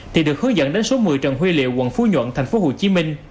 thì được hướng dẫn đến số một mươi trần huy liệu quận phú nhuận tp hcm